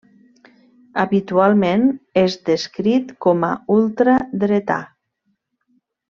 Habitualment és descrit com a ultradretà.